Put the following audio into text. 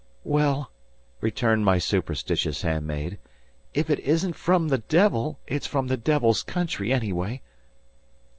"Well," returned my superstitious handmaid, "if it isn't from the devil, it's from the devil's country, anyway."